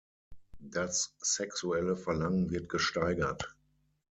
Das sexuelle Verlangen wird gesteigert.